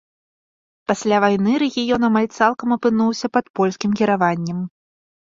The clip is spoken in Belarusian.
Пасля вайны рэгіён амаль цалкам апынуўся пад польскім кіраваннем.